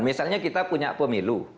misalnya kita punya pemilu